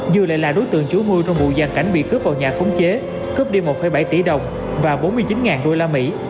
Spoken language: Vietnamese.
dư lại là đối tượng chủ mưu trong vụ giàn cảnh bị cướp vào nhà khống chế cướp đi một bảy tỷ đồng và bốn mươi chín usd